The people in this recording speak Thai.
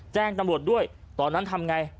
แจ้งตำรวจด้วยตอนนั้นทำไง